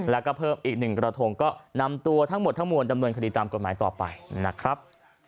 แล้วก็เพิ่มอีก๑กระทงก็นำตัวทั้งหมดทั้งมวลดำเนินคดีตามกฎหมายต่อไปนะครับ